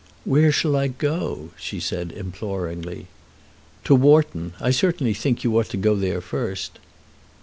"Where shall I go?" she said, imploringly. "To Wharton. I certainly think you ought to go there first."